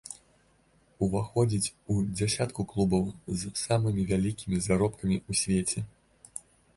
Уваходзіць у дзясятку клубаў з самымі вялікімі заробкамі ў свеце.